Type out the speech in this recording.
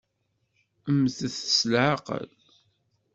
Mmtet s leɛqel!